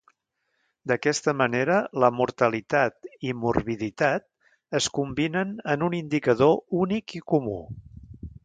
D'aquesta manera, la mortalitat i morbiditat es combinen en un indicador únic i comú.